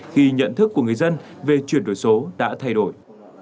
khi nhận thức của người dân về chuyển đổi số đã thay đổi